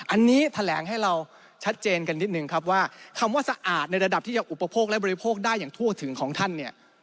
อันนี้แถลงให้เราชัดเจนกันนิดนึงครับว่าคำว่าสะอาดในระดับที่ยังอุปโภคและบริโภคได้อย่างทั่วถึงของท่านเนี่ย